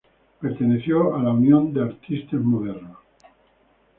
Perteneció a la Union des Artistes Modernes.